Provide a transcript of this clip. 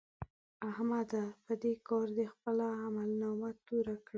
احمده! په دې کار دې خپله عملنامه توره کړه.